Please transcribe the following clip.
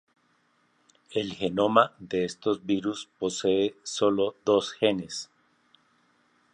El genoma de estos virus posee solo dos genes.